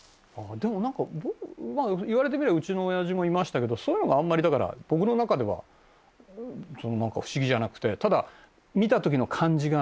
でもなんか言われてみればうちの親父もいましたけどそういうのがあんまりだから僕の中では不思議じゃなくてただ見た時の感じが。